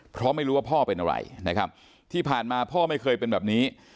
เพราะไม่รู้ว่าพ่อเป็นอะไรนะครับที่ผ่านมาพ่อไม่เคยเป็นแบบนี้